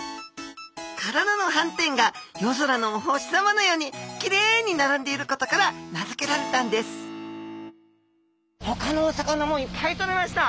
体のはんてんが夜空のお星さまのようにきれいに並んでいることから名付けられたんですほかのお魚もいっぱいとれました。